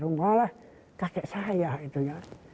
malah kakek saya